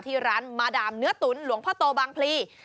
ที่ร้านมาดามเนื้อตุ๋นหลวงพ่อโตบางพลี